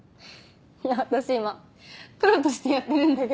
いや私今プロとしてやってるんだけど。